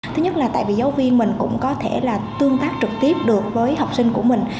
thứ nhất là tại vì giáo viên mình cũng có thể là tương tác trực tiếp được với học sinh của mình